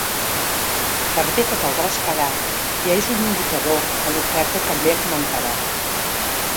Per bé que caldrà esperar, ja és un indicador que l’oferta també augmentarà.